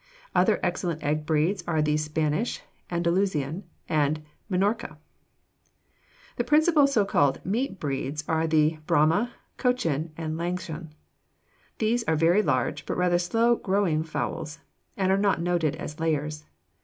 Other excellent egg breeds are the Spanish, Andalusian, and Minorca. [Illustration: FIG. 259. COCK] The principal so called meat breeds are the Brahma, Cochin, and Langshan. These are very large, but rather slow growing fowls, and are not noted as layers.